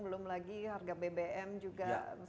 belum lagi harga bbm juga